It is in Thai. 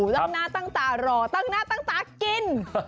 ตั้งหน้าตั้งตารอตั้งหน้าตั้งตากิน